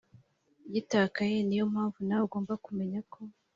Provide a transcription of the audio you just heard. gitakaye niyompamvu nawe ugomba kumenya ko